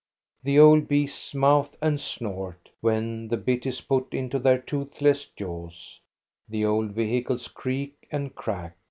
The old beasts mouth and snort when the bit is put into their toothless jaws ; the old vehicles creak and crack.